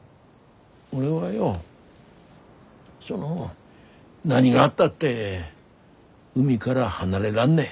俺はよその何があったって海がら離れらんねえ。